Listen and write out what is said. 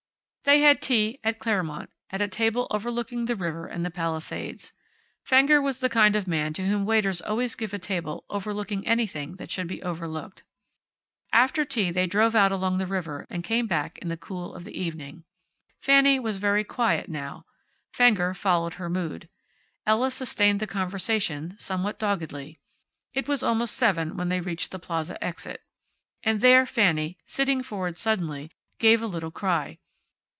They had tea at Claremont, at a table overlooking the river and the Palisades. Fenger was the kind of man to whom waiters always give a table overlooking anything that should be overlooked. After tea they drove out along the river and came back in the cool of the evening. Fanny was very quiet now. Fenger followed her mood. Ella sustained the conversation, somewhat doggedly. It was almost seven when they reached the plaza exit. And there Fanny, sitting forward suddenly, gave a little cry.